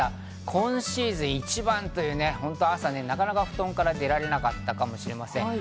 今シーズン一番という朝なかなか布団から出られなかったかもしれません。